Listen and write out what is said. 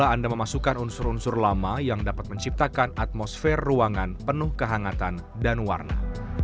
anda memasukkan unsur unsur lama yang dapat menciptakan atmosfer ruangan penuh kehangatan dan warna